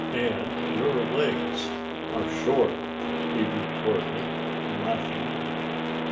"And your legs are short," he retorted, laughing.